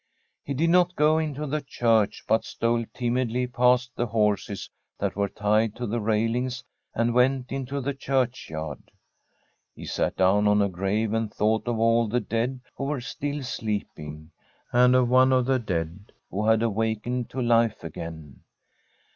He did not go into the church, but stole timidly past the horses that were tied to the railings, and went into the churchyard. He sat down on a g^ave and thought of all the dead who were still sleeping, and of one of the dead who had awakened to life again.